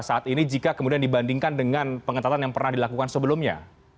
saat ini jika kemudian dibandingkan dengan pengetatan yang pernah dilakukan sebelumnya